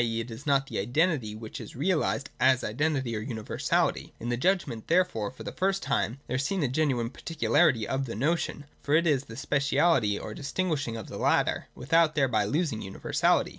e. it is not the identity which is realised as identity or universahty. In the judgment, therefore, for the first time there is seen the genuine particularity of the notion : for it is the speciality or distinguishing of the latter, without thereby losing universality.